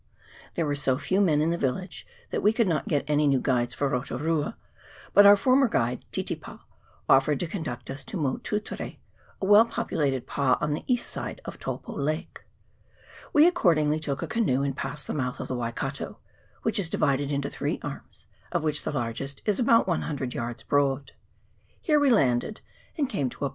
There were so few men in the village, that we could not get any new guides for Roturua, but our former guide Titipa offered to conduct us to Motutere, a well populated pa on the east side of Taupo lake. We accordingly took a canoe, and passed the mouth of the Waikato, which is divided into three arms, of which the largest is about 100 yards broad. Here we landed, and came to a pa. 364 EMBALMED HEADS.